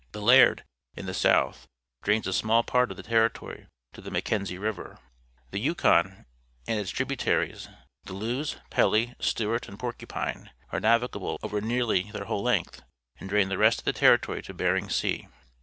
T^he Liard, in the south, drains a small part of the Territory to the Mackenzie _ River. The Yukon, and its tributaries, the Lewes,__PeUy, Stewart, and Porcupine, are navigable over nearly their whole length, and drain the rest of the Territorv to Bering Sea.